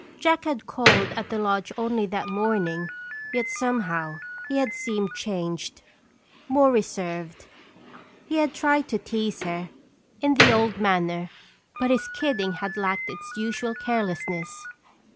Jack had called at the lodge only that morning yet somehow he had seemed changed, more reserved. He had tried to tease her in the old manner, but his kidding had lacked its usual carelessness.